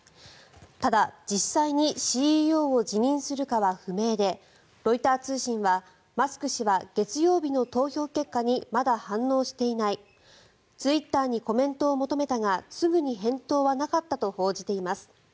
ただ、実際にＣＥＯを辞任するかは不明でロイター通信はマスク氏は月曜日の投票結果にまだ反応していないツイッターにコメントを求めたがすぐに返答はなかったと報じています。